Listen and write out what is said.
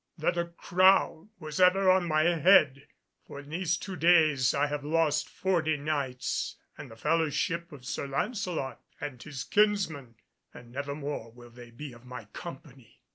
that a crown was ever on my head, for in these two days I have lost forty Knights and the fellowship of Sir Lancelot and his kinsmen, and never more will they be of my company.